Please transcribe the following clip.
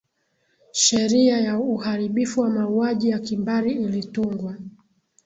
sheria ya uharibifu wa mauaji ya kimbari ilitungwa